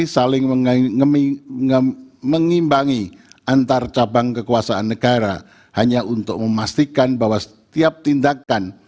saling mengimbangi antar cabang kekuasaan negara hanya untuk memastikan bahwa setiap tindakan